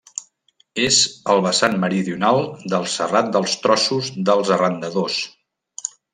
És el vessant meridional del Serrat dels Trossos dels Arrendadors.